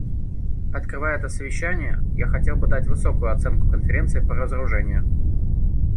Открывая это совещание я хотел бы дать высокую оценку Конференции по разоружению.